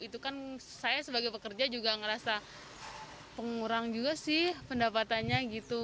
itu kan saya sebagai pekerja juga ngerasa pengurang juga sih pendapatannya gitu